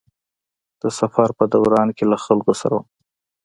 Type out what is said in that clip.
د سفر په دوران کې له خلکو سره وم.